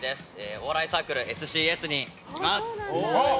お笑いサークルＳＣＳにいます。